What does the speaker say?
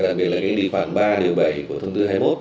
đặc biệt là cái lý khoản ba điều bảy của thông dư hai mươi một